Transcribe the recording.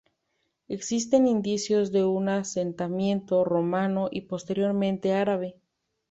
Existen indicios de un asentamiento romano y posteriormente árabe.